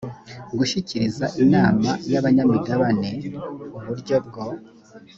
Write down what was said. gushyikiriza inama y abanyamigabane uburyo bwo